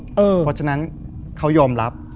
เพราะฉะนั้นเขายอมรับ